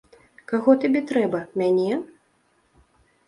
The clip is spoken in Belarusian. Каго табе трэба, мяне?